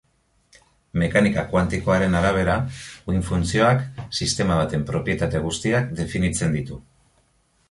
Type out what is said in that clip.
Mekanika kuantikoaren arabera, uhin-funtzioak sistema baten propietate guztiak definitzen ditu.